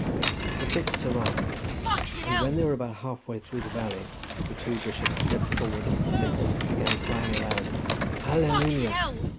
The Picts arrived, and when they were about half way through the valley, the two bishops stepped forward from a thicket, and began crying aloud, "Alleluia!"